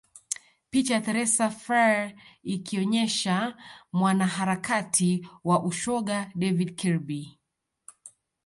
Picha ya Therese Frare ikionyesha mwanaharakati wa ushoga David Kirby